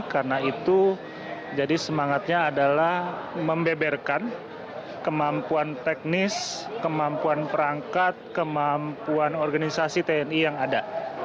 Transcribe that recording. karena itu jadi semangatnya adalah membeberkan kemampuan teknis kemampuan perangkat kemampuan organisasi tni yang ada